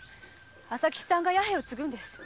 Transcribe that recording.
朝吉さんが弥平を継ぐんです。